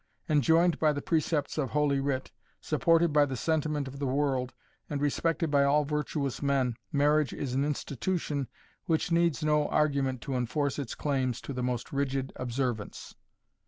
Enjoined by the precepts of Holy Writ, supported by the sentiment of the world, and respected by all virtuous men, marriage is an institution which needs no argument to enforce its claims to the most rigid observance.